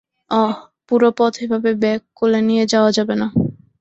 অহ, পুরো পথ এভাবে ব্যাগ কোলে নিয়ে যাওয়া যাবে না।